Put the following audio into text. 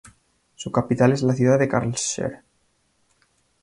Su capital es la ciudad de Karlsruhe.